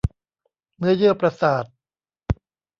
เนื้อเยื่อประสาท